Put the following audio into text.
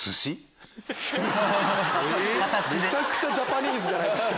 めちゃくちゃジャパニーズじゃないですか！